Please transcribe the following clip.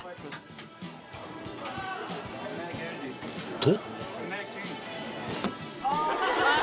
［と］